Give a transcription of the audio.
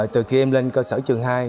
từ khi em lên cơ sở trường hai